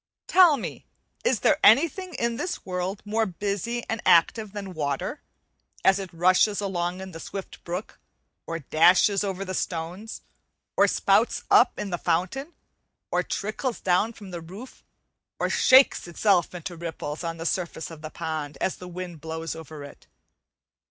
Tell me, is there anything in this world more busy and active than water, as it rushes along in the swift brook, or dashes over the stones, or spouts up in the fountain, or trickles down from the roof, or shakes itself into ripples on the surface of the pond as the wind blows over it?